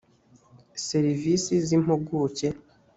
serivisi z impuguke